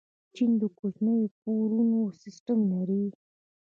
چین د کوچنیو پورونو سیسټم لري.